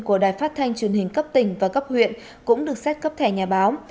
của đài phát thanh truyền hình cấp tỉnh và cấp huyện cũng được xét cấp thẻ nhà báo